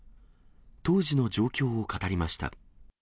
当時の状況を語りました。